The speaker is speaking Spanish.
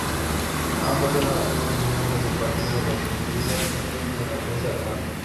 Ambos eran activos miembros del partido de los druidas, opuestos a la influencia romana.